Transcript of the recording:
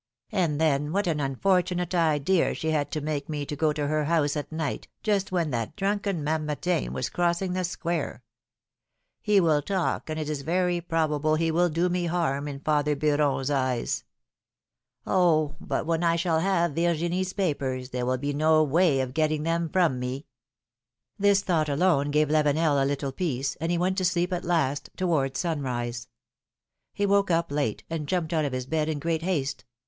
'^And then what an unfortunate idea she had to make me go to her house at night, just when that drunken Mamertin was crossing the square ! He will talk, and it is very probable it will do me harm in father Beuron's eyes ! Oh ! but when I shall have Virginie's papers, there will be no way of getting them from me !" This thought alone gave Lavenel a little peace, and he went to sleep at last, towards sunrise. He woke up late, and jumped out of his bed in great haste.